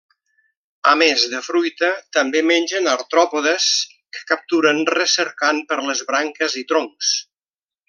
A més de fruita també mengen artròpodes que capturen recercant per les branques i troncs.